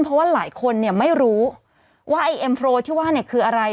เพราะว่าหลายคนเนี่ยไม่รู้ว่าไอ้เอ็มโฟร์ที่ว่าเนี่ยคืออะไร